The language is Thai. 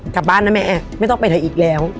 กลับบ้านนะแม่ไม่ต้องไปไหนอีกแล้ว